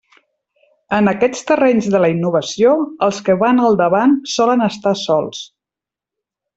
En aquests terrenys de la innovació els que van al capdavant solen estar sols.